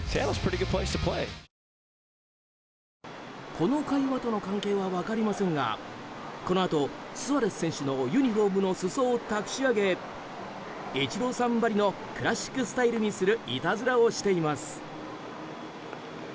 この会話との関係は分かりませんがこのあと、スアレス選手のユニホームの裾をたくし上げイチローさんばりのクラシックスタイルにするいたずらをしています。